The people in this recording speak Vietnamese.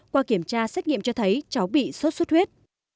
qua kiểm tra xét nghiệm cho thấy cháu bị sốt xuất huyết